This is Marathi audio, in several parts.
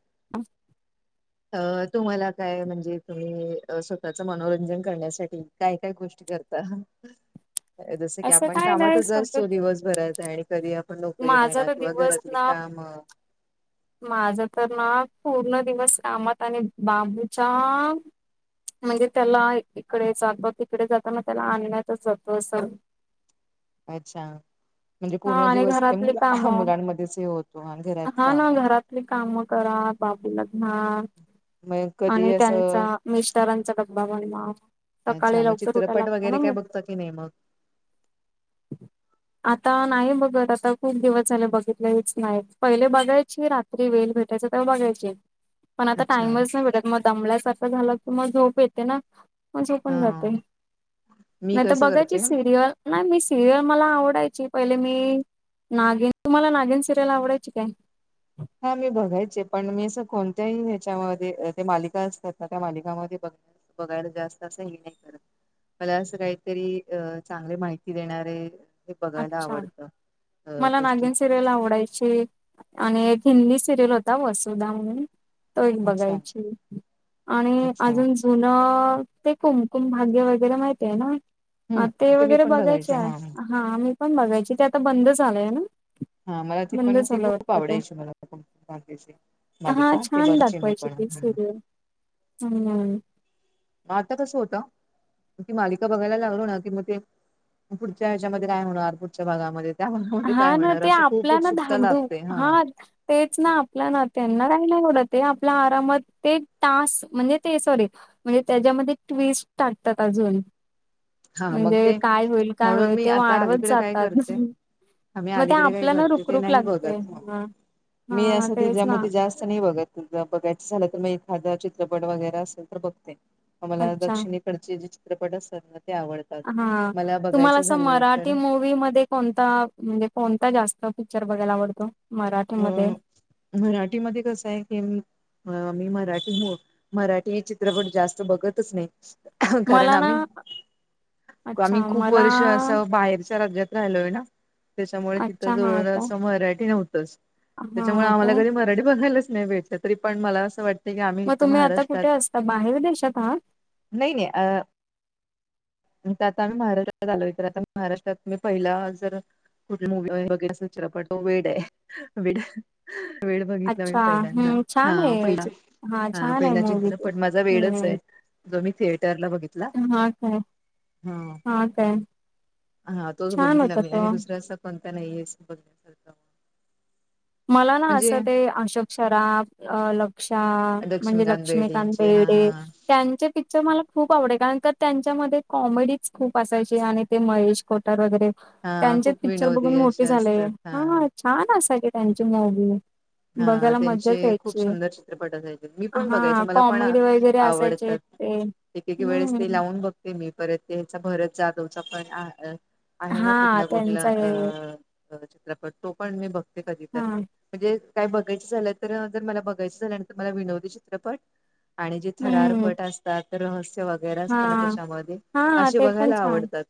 [inaudible] [unintelligible] अं तुम्हांला कायं म्हणजे तुम्हीं स्वंतःचं मनोरंजन करण्यांसाठी कायं कायं गोष्टीं करतां जसं की असं आपणं काय नाही कामांतचं सध्या असतो दिवसं घरांत आहे आणि कधीं आपणं नोकरी माझा म्हंणा तर किंवा घरांतली कामं माझं तरं नां पूर्ण दिवसं कामांत आणि बांबूच्या म्हणजे त्यांला इकडे जातांना तिकडे जातांना त्यांला आणण्यांतच जातो असं [inaudible] [unintelligible] अच्छां म्हणजे हा पूर्ण आणि दिवसं त्यां घरातली मु कामं मुलांमध्येंचं हे होतो आणि घरांतली कामं ते कामं करां बांबूला घ्यां मग कधी आणि त्यांचा असं मिस्तरांचा डब्बा बनवां सकाळीं अच्छा मग लवकरं उठां चित्रपट लागते नं वगैरे काय मंग बघता की नाही मग आतां नाहीं बघतं आतां खूंप दिवसं झाले बघितलेलीचं नाहीं पहिले बघांयची रात्रीं वेळं भेटायंचा तेंव्हा बघायची पणं आतां अच्छा टाईमंचं नाहीं भेटतं मंग दमल्यांसारखं झालं की मंग झोप येते नां मंग झोपूंन हा जांते मी नाहीं तरं कसं बघांयची करते सिरियल नाहीं मी सिरियल मलां आवडांयची पहिले मी नागीन तुम्हांला नागिन सिरियल आवडांयची कायं हां मी बघांयचे पणं मी असं कोणत्यांही त्यांच्यामध्ये ते मालिका असतांत नां त्यां मालिकामंध्यें बघं बघायंला जास्तं असं हे नाहीं करतं मलां असं कांहीतरी अं चांगले माहिती देणारे बघायंला अच्छा आवडतं अं गोष्टीं हे आणि एक हिंदी सिरियल होतां वसुधां म्हणूंन तो एक अच्छा बघांयची आणि अच्छा अजूंन जुंन ते कुंमकुंम भाग्यं वगैरें माहती आहे नां हम्म ते मी वगैरें पण बघांयचे बघायचे हा आहे हा हां मी पणं बघांयची ते आतां बंद झालं आलंय नां हां मलां ती बंद पणं ती खूंप आवडांयची मलां मालिकां छांन दाखवायची ती सिरीयल हम्मं मंग आतां कसं होत मंग ती मालिका बघांयला लागलो नां कि मंग ते पुढंच्यां यांच्यामध्ये कायं होणारं पुढंच्यां भागांमध्ये त्यां भागांमध्यें कायं होणारं आहे असं खूप आपल्यांला नां उत्सुकता धांकधुक लागते हा हां तेचं नां आपल्यां नात्यांना कांहीं नाहीं एवडं ते आपल्यां आरामांत ते टांकसं म्हणजे ते सॉरी म्हणजे त्यांच्यामध्ये ट्विस्ट टाकतांत अजूंन हा मग म्हणजे ते काय होईल काय म्हणून होईल मी ते आता वाढवत अलीकडे काय जातात. करते आम्ही मग ते अलीकडे काय आपल्या ना करते ते रुखरुख नाही लागते. बघत मी हा असं तेच ना. त्याच्यामध्ये जास्त नाही बघत. बघायच झाल तर मग एखादा चित्रपट वगैरे असेल तर बघते. आम्हाला अच्छा दक्षिणेकडचे जे चित्रपट असतात ना ते आवडतात. हा मला तुम्हाला बघायचं अस झालं तर मराठी मूवी मध्ये कोणता म्हणजे कोणता जास्त पिक्चर बघायला आवडतो मराठीमध्ये. अ मराठीमध्ये कस आहे की मी मी मराठी हो मराठी हे चित्रपट जास्त बघतच नाही. कारण मला ना आम्ही आम्ही अच्छा खूप मला वर्ष असं बाहेरच्या राज्यात राहिलोय ना. त्याच्यामुळे तिथ अच्छा हा जवळ आता अस मराठी नव्हतच. त्याच्यामुळे हा आम्हाला काय कधी मराठी बघायलाच नाही भेटल. तरी पण मला अस वाटत मग तुम्ही आता कुठे असता बाहेर देशात आहात. नाही नाही अ इथ आता आम्ही महाराष्ट्रात आलो. तर आता महाराष्ट्रात मी पहिला जर कुठली मूवी बघितली तो वेड आहे वेड. वेळ बघितला मी अच्छा पहिल्यांदा. हम्म छान हा आहे पहिला हा छान आहे पहिला मूवी चित्रप ते पट माझा वेडच हम्म आहे. जो मी थिएटरला बघित हा काय. हा काय. हा तोच छान बघितला होता मी. आणि तो दुसरा असा कोणता नाहीे अस बघितला. मला ना अस ते अशोक सराफ अ लक म्हणजे लक्ष्मीकांत बेर्डेंचे हा बेर्डे त्यांचे पिक्चर मला खूप आवडे कारण तर त्यांच्यामध्ये कॉमेडीच खूप असायची. आणि ते महेश कोठारे वगैरे हा त्यांचे खूप पिक्चर विनोदी बघून अशे मोठे झाले. असतात हा छान असायचे त्यांची मूवी. हा बघायला त्यांचे मजाच खूप यायची सुंदर चित्रपट असायचे मी पण बघायचे हा मला पण कॉमेडी वगैरे असायचे. आवडतात ते एक एक वेळेस ते हम्म लावून बघते मी परत. त्याचा भरत जाधवचा पण. आ अ आहे ना हा कुठला कुठला त्यांचा हे अ चित्रपट तो पण मी बघते हा कधीतरी. म्हणजे काय बघायच झाल तर जर मला बघायच झाल मला विनोदी चित्रपट आणि जे हम्म थरारपट असतात तर रहस्य व वगैर हा असतना त्याच्यामध्ये हा असे ते पण बघायला छान आवडतात.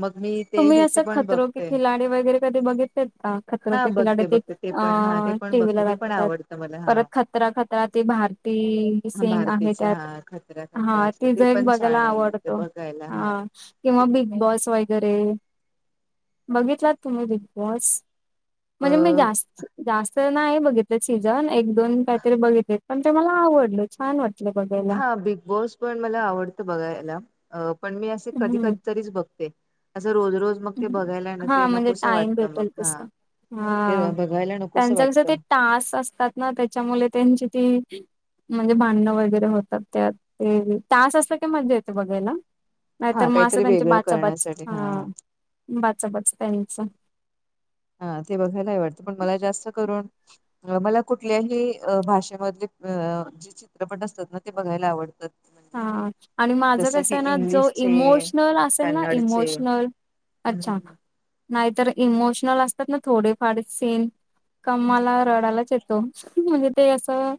मग मी ते तुम्ही ह्याचे असं पण खतरो के बघते. खिलाडी वगैरे कधी बघितलेत का खतरो हा के खिलाडी बघते बघते. ते अ पण हा ते पण ते पण टीव्ही बघते. ला ते पण दाखवतात आवडत मला हा. परत खतरा खतरा ती भारती सिंग भारतीचा हा खतरा खतरा अस ज बघाला आवडतो हा किंवा बिग बॉस वगैरे बघितलात तुम्ही बिग बॉस? म्हणजे मी अ जास्त जास्त नाही बघितले सीझन. एक दोन काहीतरी बघितले. पण ते मला आवडले. छान वाट हा बिग बॉस पण मला आवडत बघायला. अ पण मी असे कधी हम्म कधी तरीच बघते. अस रोज रोज मग ते बघायला ना हा ते म्हणजे नकोसं टाईम वाटतं मग भेटेल हा तस. ते हा बघायला नकोसं त्यांचा कस ते वाटतं. टास असतात ना त्याच्यामुळे त्यांची ती म्हणजे भांडणं वगैरे होतात त्यात ते तास असत की मजजा येते बघायला. हा नाहीतर मग असं काहीतरी त्यांच्या वेगळं बाचाबाच करण्यासाठी हा बाचाबाच त्यांच. हा ते बघायला हे वाटत पण मला जास्त करून मला कुठल्याही भाषेमधले अ चित्रपट असतात ना ते बघायला आवडतात. म्हणजे कि हा आणि माझं जसं कसं की आहे ना जो इंग्लिशचे इमोशनल असेल ना कन्नडचे इमोशनल अच्छा हम्म, नाहीतर इमोशनल असतात ना थोडेफार सीन का हम्म. माला रडायलाच येत. म्हणजे ते असं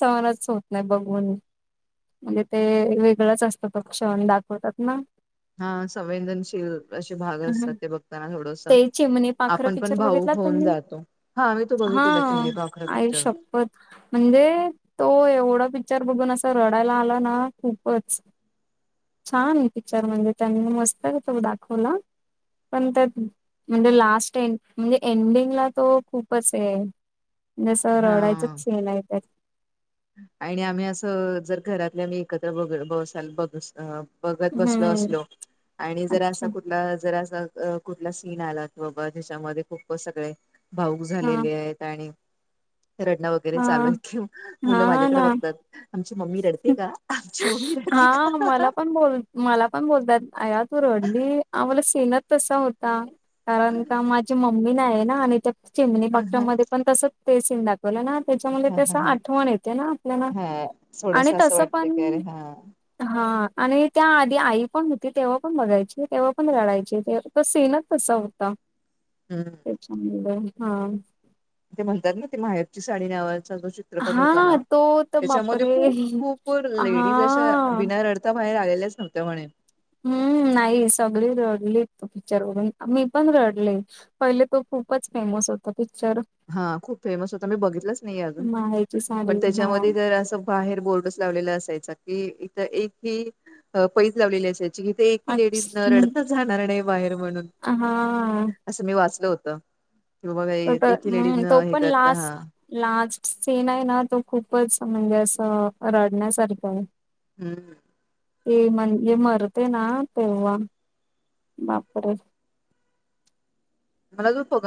समनाच होत नाही बघून म्हणजे ते वेगळंच असतं पक्ष दाखवतात ना हा संवेदनशील असे भाग हम्म. असतात ते बघताना थोड्स ते चिमणी पाखर आपण पण पिक्चर भाऊक बघितला होऊन तुम्ही जातो हा मी तो हा बघितलेला चिमनीपाखरं आई पिक्चर शपथ म्हणजे तो एवढा पिक्चर बघून असं रडायला आला ना खूपच छान पिक्चर म्हणजे त्यांनी मस्त ही तो दाखवला पण त्यात म्हणजे लास्ट ए म्हणजे एंडिंगला तो खूपच हे आहे असं हा रडायचंच सिन हाय आणि आम्ही असं जर घरातले आम्ही एकत्र बघ ब ब बघत बसल हम्म, असलो आणि जर अस अच्छा. कुठ जर असं कुठला सीन आला की बाबा ज्याच्यामध्ये खूप सगळे भाऊक हां, झालेले आहेत आणि रडणं वगैरे चालू आहेत हां, कि मुलं हां ना. माझ्याकडे बघतात आमची मम्मी रडते का आमची मम्मी रडते हां, का मला पण बोल मला पण बोलतात आया तू रडली आम्हाला सीनच तसा होता कारण का माझी मम्मी नाही आहे ना आणि त्या ह चिमणीपाखरं मध्ये ह पण तस ते सीन दाखवलं ना त्याच्यामध्ये ते ह असं ह आठवण येते ना आपल्याला हा थोडस असं वाटतं की अरे हा हा आणि त्या आधी आई पण होती तेव्हा पण बघायची तेव्हा पण रडायची ते तो सीनंच तसा होता हम्म त्याच्यामुळे हा ते म्हणतात ना ते माहेरची साडी न्यावाचा चित्रपट होता हां, ना तो तर त्याच्यामध्ये बापरे! खूप खूप लेडीज अशा हां. बिना रडं ता बाहेर आलेल्याच नव्हत्या म्हणे हम्म नाही सगळी रडली तो पिक्चर बघून मी पण रडली पहिले तो खूपच फेमस होता पिक्चर हा खूप फेमस होता मी बघितलंच नाही अजून माहेरची साडी पण हा. त्याच्यामध्ये जर असं बाहेर बोर्डच लावलेला असायचा कि इथं एक ही पैज लावलेली असायची इथे एक ही लेडीज न अच्छा रडताच जाणार नाही बाहेर म्हणून हा असं मी वाचलं होत की बाबा तो तर- लेडीज हम्म न तो हे पण करता हा लास्ट लास्ट सीन आहे ना तो खूपच म्हणजे असं रडण्यासारखं आहे हम्म ते म्हणजे मरते ना तेव्हा बापरे मला तू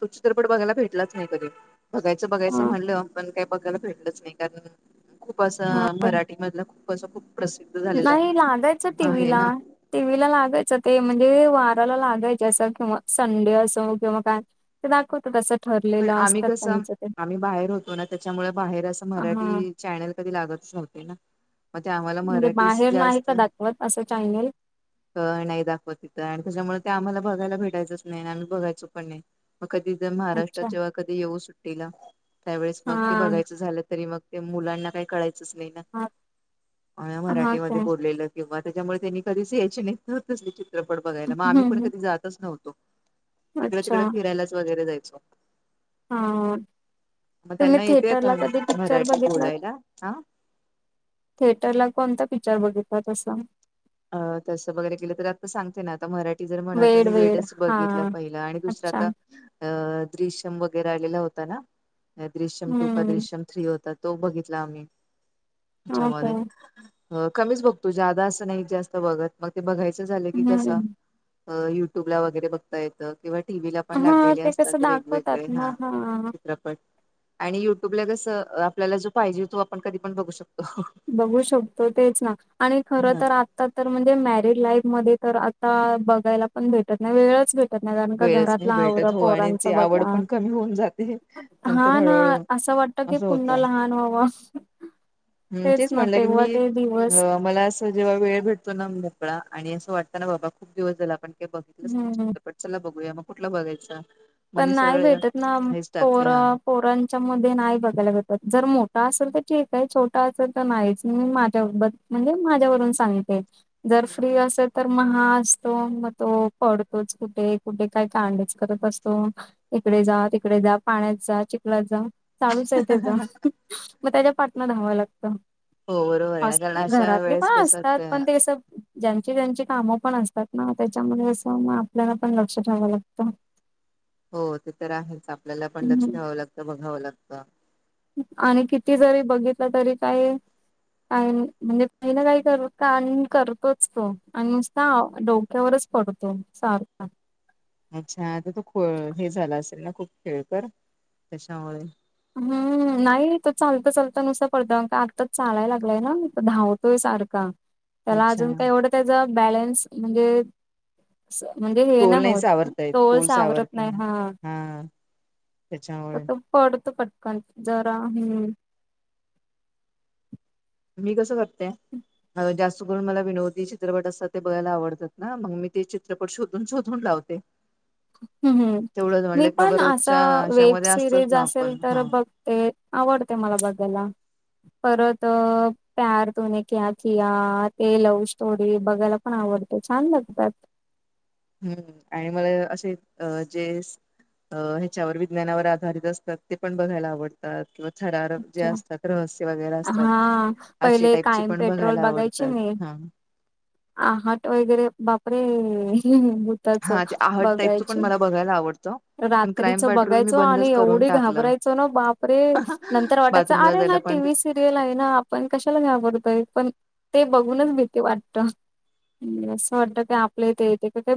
तो चित्रपट बघायला भेटलाच नाही कधी बघायचं बघायचं हा. म्हणलं पण का बघायला भेटलंच नाही कारण खूप असं हा मराठीमधलं खूप असं खूप प्रसिद्ध झालेला नाही लागायचं टी व्ही आहे ला ना टी व्ही लागायचं ते म्हणजे वाराला लागायच असं किंवा संडे असो किंवा काय ते दाखवतं तसं पण आम्ही कसं आम्ही बाहेर होतो ना त्याच्यामुळे बाहेर असं हा. मराठी. चॅनल कधी लागतच नव्हते ना मग ते आम्हाला म्हणजे मराठी बाहेर नाही जास्त का दाखवत असं चॅनल नाही दाखवत तिथं आणि त्याच्यामुळे ते आम्हाला बघायला भेटायचंच नाही आणि आम्ही बघायचो पण नाही मगं कधीतर महाराष्ट्र अच्छा कधी येऊ सुट्टीला त्यावेळेस मग ते हा. बघायच झालं तरी मग मुलांना काय कळाय यचंच नाही हा ना हा मराठीमध्ये काय बोललेलं किंवा त्याच्यामुळे त्यांनी कधीच यायचे नाहीत चित्रपट बघायला मग आम्ही पण हम्म कधी जातच नव्हतो ईकडे अच्छा तिकडे फिरायलाच वगैरे जायचो. हा मग तुम्ही त्यांना येते आता थेटरला कधी पिक्चर मराठी बघितलात बोलायला हा थिएटरला कोणत पिक्चर बघितात असं? अ तस वगैरे केलं तर आत्ता सांगते ना आता मराठी जर म्हणा तर मी वेड च बघितलं. पहिलं आणि दुसरं अच्छा आता. अ द्रृश्यम वगैरे आलेला होता ना दृश्यम टुका हम्म. दृश्यम थ्री होता तो बघितला आम्ही हो का त्याच्यामध्ये कमीच बघतो जादा असं नाही जास्त बघत मग ते बघायचं झालं की कसं हम्म युट्यूब ला वगैरे बघता येतं. किंवा टी व्ही ला पण हा लागलेले असतात कसं ते दाखवतात वेगवेगळे ना हा चित्रप. आणि युट्यूबला कसं आपल्याला जो पाहिजे तो आपण कधी पण बघू शकतो. बघू शकतो तेच ना आणि खर हा तर आता. तर म्हणजे मॅरिड लाईफ मध्ये तर आता बघायला पण भेटत नाही वेगळाच भेट. का वेळच नाही घरातलं आवर भेटत हो आणि पोरांच ती आवड बघा पण कमी होऊन जाते नंतर हा ना हळूहळू असं वाट की असं पुन्हा लहान हवं ह् तेच म्हटलं की मी दिवस मला. जेव्हा वेळ भेटतो मोकळा आणि असं वाटत ना बाबा खूप दिवस झाला आपण काही बघितलंच नाही हम्म चित्रपट. चला बघूया मग कुठला बघायचा. मग पण मी नाही सरळ भेटत ना हेच पोर टाकते हा पोरण त्याच्या म नाही बघायला जात जर मोठा असेल तर ठीक आहे छोटा असेल तर नाहीच मी माझ्याबत म्हणजे माझ्यावरून सांगते जर फ्री असेल. तर मग हा असतो मग तो पडतोच कुठे कुठे काय कांडच करत असतो. तो इकडे जा तिकडे जा पाण्यात जा चिखलात जा चालूच आहे त्याचा. मग त्याच्या पाटना धावं लागत हो बरोबर आहे ना कारण अशा घरातले वेळेस पण कसं असतात असतं पण तेस ज्यांची ज्यांची कामं पण असतात ना त्याच्यामध्ये असं आपल्याला पण लक्ष ठेव लागतं. हो ते तर आहेच आपल्याला पण लक्ष ठ्यावं लागत बघावं लागतं. आणि किती जरी बघितलं तरी काय. म्हणजे पहिलं काही कर आणि करतोच तो आणि नुसता डोक्यावरच. पडतो सारखा अच्छा आता तो ख हे झाला असेल ना खूप खेळ कर त्याच्यामुळे. हम्म नाही तो चालतं चालत नुसतं पडत का आत्ताच चालाय लागलाय ना धावत तो सारखा त्याला अच्छा अजून काही एवढं त्याचा बॅलन्स म्हणजे म्हणजे हे ना तोल नाही होत सावरता येत तोल सावरत सावरता नाही हा. तर त्याच्यामुळे तो पडतो पटकन जरा हम्म. मी कसं करते जास्त सगून मला विनोदी चित्रपट असतात ते बघायला आवडतात ना मग मी ते चित्रपट शोधून शोधून लावते. ह ह मी पण रोजच्या असं वेब ह्याच्यामध्ये असतोच सिरीज ना असेल आपण हा. तर बघ. ते आवडते मला बघायला. परत प्यार तुने क्या किया ते लव्ह स्टोरी बघायला पण आवडत छान लागतात. हम्म आणि मला असे अ जे अ ह्याच्यावर विज्ञानावर आधारित असतात ते पण बघायला आवडतात. किंवा थरारक जे असतात रहस्य वगैरे असतात हा अशी पहिले टाईपची कायम पण पेट्रोल बघायला आवडतात हा. आहट वगैरे बापरे भूताच हा ते आहट टाईपचं पण बघायची मला बघायला आवडतं. पण क्राईम रात्रीच पेट्रोल मी बघायचो आणि बंदच करून एवढे टाकलं घाबरायचो ना बापरे. नंतर वाटयचा बाथरूमला जायला अरेा टी पण व्ही भीती स. वाटते लाय ना आपण कशाला घ्या पडतोय पण ते बघूनच भीती वाटत. असं वाटत काय आपल्या इथ येते का काय